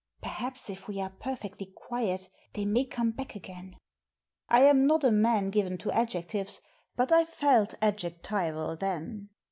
" Perhaps if we are perfectly quiet they may come back again.*' I am not a man given to adjectives; but I felt adjectival then.